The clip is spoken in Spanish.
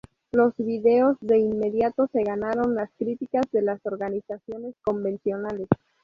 Los videos de inmediato se ganaron las críticas de las organizaciones convencionales.